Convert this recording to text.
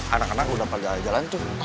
anak anak udah pada jalan tuh